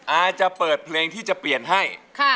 อาจจะเปิดเพลงที่จะเปลี่ยนให้